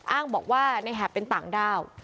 อ้างบอกว่าในแหบเป็นต่างด้าว